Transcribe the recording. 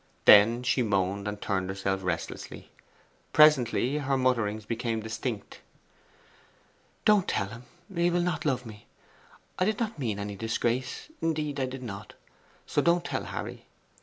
Then she moaned, and turned herself restlessly. Presently her mutterings became distinct: 'Don't tell him he will not love me....I did not mean any disgrace indeed I did not, so don't tell Harry.